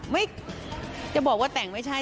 ไม่จะบอกว่าแต่งไม่ใช่